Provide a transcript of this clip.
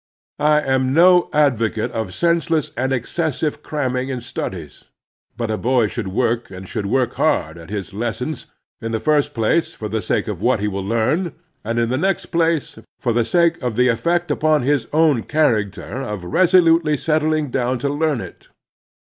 I am no advocate of senseless and exces sive cramming in studies, but a boy shotdd work, and shotdd work hard, at his lessons — in the first place, for the sake of what he will learn, and in the next place, for the sake of the effect upon his own character of resolutely settling down to learn it.